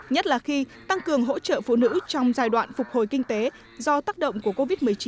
nhất là khi tăng cường hỗ trợ phụ nữ trong giai đoạn phục hồi kinh tế do tác động của covid một mươi chín